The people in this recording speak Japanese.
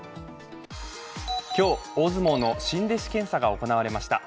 今日、大相撲の新弟子検査が行われました。